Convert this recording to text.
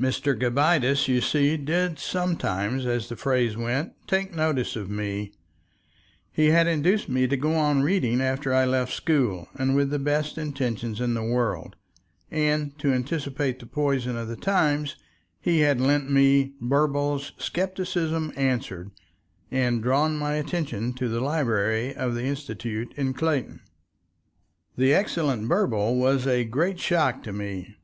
Mr. Gabbitas, you see, did sometimes, as the phrase went, "take notice" of me, he had induced me to go on reading after I left school, and with the best intentions in the world and to anticipate the poison of the times, he had lent me Burble's "Scepticism Answered," and drawn my attention to the library of the Institute in Clayton. The excellent Burble was a great shock to me.